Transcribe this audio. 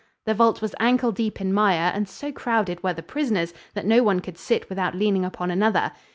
The vault was ankle deep in mire and so crowded were the prisoners that no one could sit without leaning upon another.